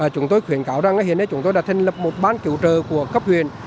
chúng tôi khuyến cáo rằng hiện nay chúng tôi đã thành lập một bán cứu trợ của cấp huyền